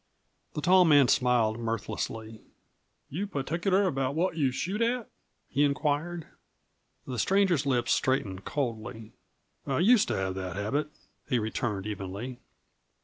The tall man smiled mirthlessly. "You particular about what you shoot at?" he inquired. The stranger's lips straightened coldly. "I used to have that habit," he returned evenly.